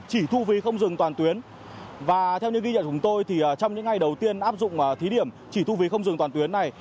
và theo những ghi nhận của chúng tôi thì trong những ngày đầu tiên áp dụng thí điểm chỉ thu phí không dừng toàn tuyến này